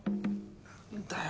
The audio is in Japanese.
何だよ